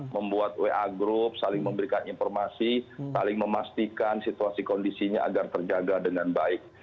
membuat wa group saling memberikan informasi saling memastikan situasi kondisinya agar terjaga dengan baik